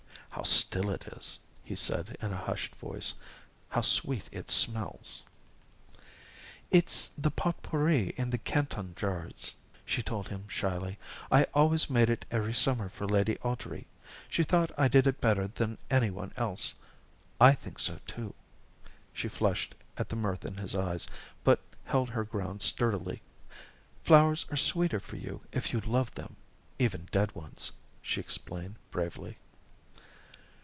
"How still it is," he said in a hushed voice. "How sweet it smells!" "It's the potpurri in the Canton jars," she told him shyly. "I always made it every summer for Lady Audrey she thought I did it better than any one else. I think so too." She flushed at the mirth in his eyes, but held her ground sturdily. "Flowers are sweeter for you if you love them even dead ones," she explained bravely.